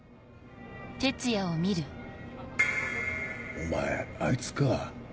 お前あいつか。